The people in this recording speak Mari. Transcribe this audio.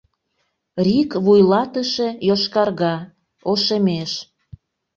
Рик вуйлатыше йошкарга, ошемеш.